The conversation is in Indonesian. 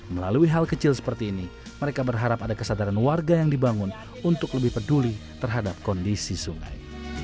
melalui hal kecil seperti ini mereka berharap ada kesadaran warga yang dibangun untuk lebih peduli terhadap kondisi sungai